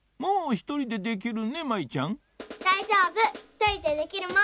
ひとりでできるもん！